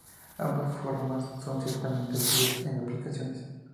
Ambas formas son ciertamente útiles en aplicaciones.